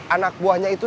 anak buahnya itu